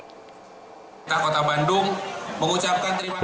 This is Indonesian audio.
pemerintah kota bandung mengucapkan terima kasih